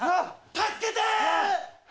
助けて！